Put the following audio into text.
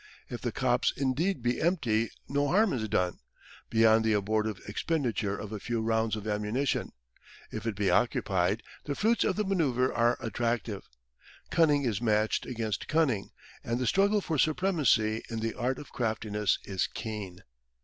If the copse indeed be empty no harm is done, beyond the abortive expenditure of a few rounds of ammunition: if it be occupied, the fruits of the manoeuvre are attractive. Cunning is matched against cunning, and the struggle for supremacy in the art of craftiness is keen.